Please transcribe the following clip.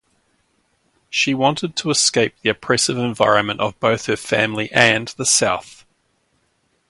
She wanted to escape the oppressive environment of both her family and the South.